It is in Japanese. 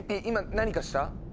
今何かした？